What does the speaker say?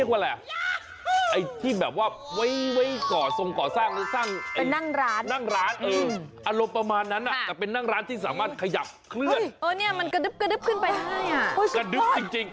การสร้างแบบ